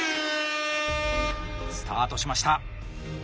スタートしました。